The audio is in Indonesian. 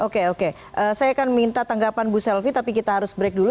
oke oke saya akan minta tanggapan bu selvi tapi kita harus break dulu